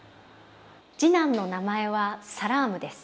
次男の名前はサラームです。